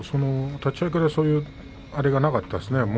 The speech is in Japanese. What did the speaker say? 立ち合いからそういうあれがなかったですね。